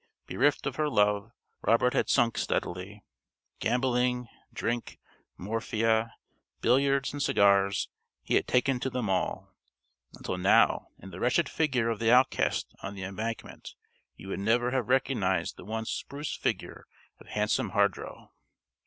Bereft of her love, Robert had sunk steadily. Gambling, drink, morphia, billiards, and cigars he had taken to them all; until now in the wretched figure of the outcast on the Embankment you would never have recognised the once spruce figure of Handsome Hardrow.